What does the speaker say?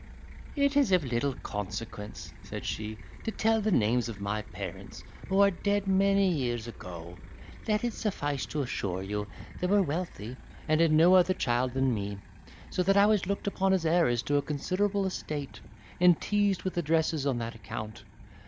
"It is of little consequence," said she, "to tell the names of my parents, who are dead many years ago; let it suffice to assure you, they were wealthy, and had no other child than me; so that I was looked upon as heiress to a considerable estate, and teased with addresses on that account.